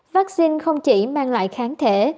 vaccine không chỉ mang lại kháng thể